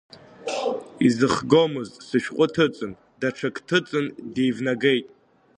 Изыхгомызт сышәҟык ҭыҵын, даҽак ҭыҵын деивнагеит.